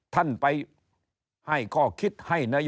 ท่านไปให้ก็คิดให้นโยบาย